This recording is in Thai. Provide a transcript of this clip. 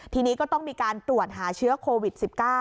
ทีนี้ก็ต้องมีการตรวจหาเชื้อโควิด๑๙